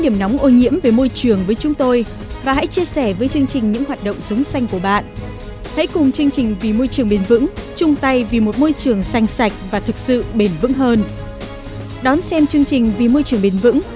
đón xem chương trình vì môi trường bền vững